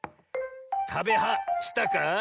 「たべは」したか？